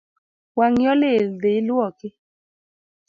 Wang’i olil dhi iluoki